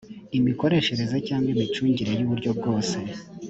imikoreshereze cyangwa imicungire y uburyo bwose